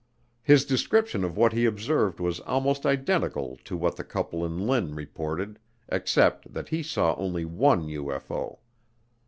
His description of what he observed was almost identical to what the couple in Lynn reported except that he saw only one UFO.